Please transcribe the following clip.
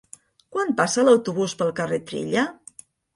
Quan passa l'autobús pel carrer Trilla?